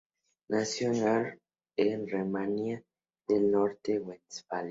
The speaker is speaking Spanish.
Nació en Arnsberg en Renania del Norte-Westfalia.